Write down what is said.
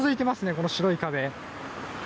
この白い壁。